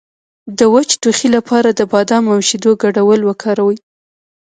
د وچ ټوخي لپاره د بادام او شیدو ګډول وکاروئ